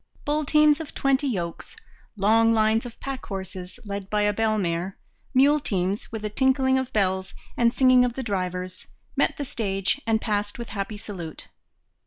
Bull teams of twenty yokes, long lines of pack horses led by a bell mare, mule teams with a tinkling of bells and singing of the drivers, met the stage and passed with happy salute.